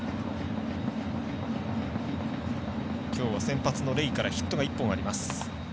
きょう先発のレイからヒットが１本あります。